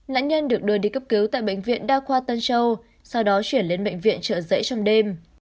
nạn nhân được đưa đi cấp cứu tại bệnh viện đa khoa tân châu sau đó chuyển lên bệnh viện trợ giấy trong đêm